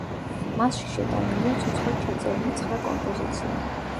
მასში შეტანილია ცოცხლად ჩაწერილი ცხრა კომპოზიცია.